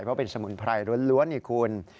เพราะเป็นสมุนไพรล้วนไงคุณ